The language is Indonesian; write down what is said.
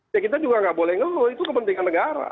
ya kita juga nggak boleh ngeluh itu kepentingan negara